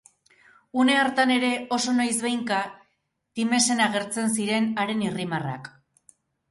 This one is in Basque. Une hartan ere, oso noizbehinka, Timesen agertzen ziren haren irrimarrak.